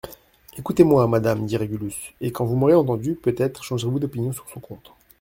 Ecoutez-moi, madame, dit Régulus, et quand vous m'aurez entendu, peut-être changerez-vous d'opinion sur son compte.